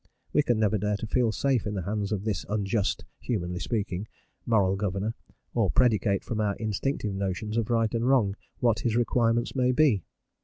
We can never dare to feel safe in the hands of this unjust humanly speaking Moral Governor, or predicate from our instinctive notions of right and wrong what his requirements may be.